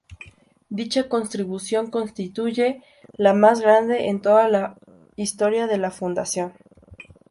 Dicha contribución, constituye la más grande en toda la historia de la Fundación.